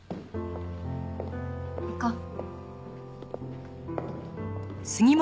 行こう。